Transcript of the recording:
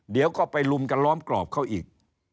เดี๋ยวก็ไปลุมกันล้อมกรอบเขาอีก